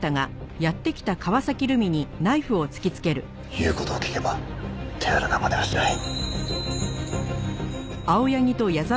言う事を聞けば手荒なまねはしない。